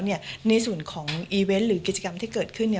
ในส่วนของอีเวนต์หรือกิจกรรมที่เกิดขึ้น